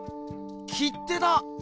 切手だ！